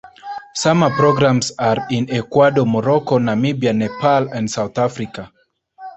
Summer programs are in Ecuador, Morocco, Namibia, Nepal, and South Africa.